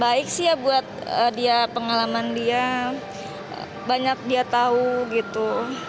baik sih ya buat dia pengalaman dia banyak dia tahu gitu